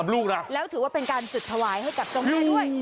ลูกนะแล้วถือว่าเป็นการจุดถวายให้กับเจ้าแม่ด้วย